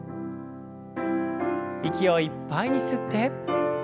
息をいっぱいに吸って。